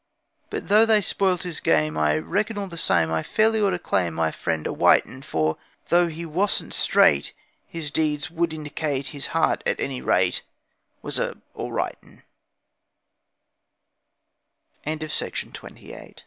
But though they spoilt his game, I reckon all the same I fairly ought to claim My friend a white 'un. For though he wasn't straight, His deeds would indicate His heart at any rate Was 'a all right 'u